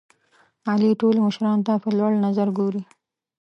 علي ټول مشرانو ته په لوړ نظر ګوري.